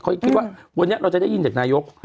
เขาคิดว่าวันนี้เราจะได้ยินจากนายก